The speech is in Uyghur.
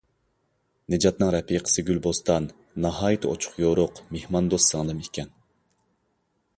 نىجاتنىڭ رەپىقىسى گۈلبوستان ناھايىتى ئوچۇق-يورۇق مېھماندوست سىڭلىم ئىكەن.